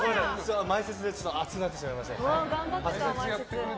前説で熱くなってしまいまして。